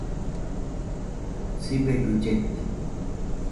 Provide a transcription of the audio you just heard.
Sibegɨ llaite